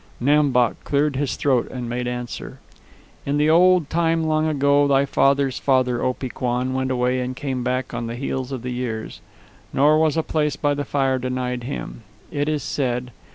Nam Bok cleared his throat and made answer. "In the old time long ago, thy father's father, Opee Kwan, went away and came back on the heels of the years. Nor was a place by the fire denied him. It is said